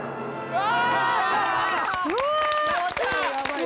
うわ！